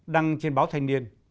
đăng trên báo thanh niên